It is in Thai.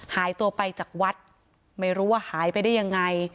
หายตัวไปจากวัดไม่รู้ว่าหายไปได้ยังไง